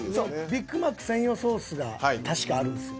ビッグマック専用ソースが確かあるんですよ。